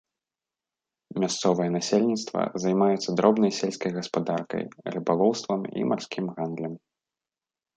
Мясцовае насельніцтва займаецца дробнай сельскай гаспадаркай, рыбалоўствам і марскім гандлем.